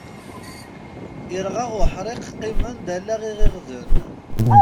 Irɣa uḥriq qqimen-d ala iɣiɣden.